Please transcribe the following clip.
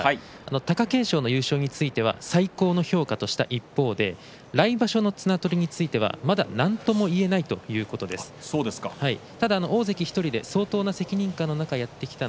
貴景勝の優勝については最高の評価とした一方で来場所の綱取りについては、まだなんとも言えないということを話しています。